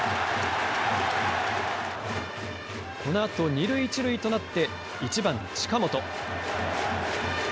このあと二塁一塁となって１番近本。